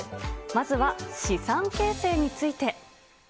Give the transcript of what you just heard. まずは資産形成について。